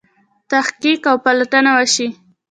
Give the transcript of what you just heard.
تحقیق او پلټنه وشي.